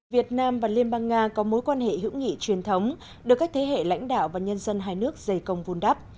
việt nam và liên bang nga có mối quan hệ hữu nghị truyền thống được các thế hệ lãnh đạo và nhân dân hai nước dày công vun đắp